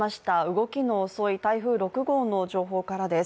動きの遅い台風６号の情報からです。